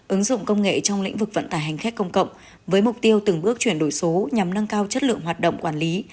ứng dụng công nghệ trong lĩnh vực vận tải hành khách công cộng với mục tiêu từng bước chuyển đổi số nhằm nâng cao chất lượng hoạt động quản lý